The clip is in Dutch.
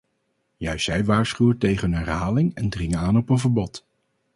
Juist zij waarschuwen tegen een herhaling en dringen aan op een verbod.